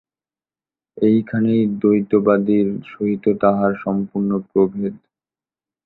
এইখানেই দ্বৈতবাদীর সহিত তাঁহার সম্পূর্ণ প্রভেদ।